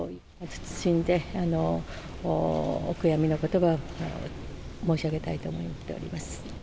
謹んでお悔やみのことばを申し上げたいと思っております。